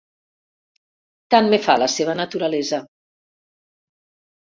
Tant me fa la seva naturalesa.